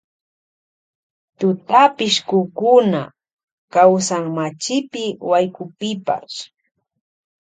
Tutapishkukuna kawsan machipi waykupipash.